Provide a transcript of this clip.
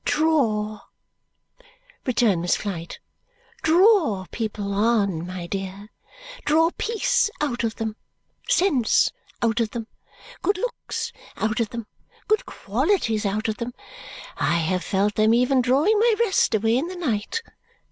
"Draw," returned Miss Flite. "Draw people on, my dear. Draw peace out of them. Sense out of them. Good looks out of them. Good qualities out of them. I have felt them even drawing my rest away in the night.